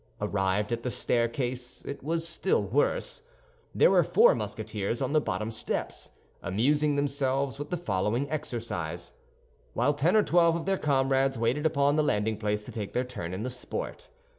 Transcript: Arrived at the staircase, it was still worse. There were four Musketeers on the bottom steps, amusing themselves with the following exercise, while ten or twelve of their comrades waited upon the landing place to take their turn in the sport.